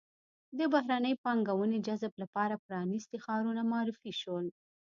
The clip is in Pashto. د بهرنۍ پانګونې جذب لپاره پرانیستي ښارونه معرفي شول.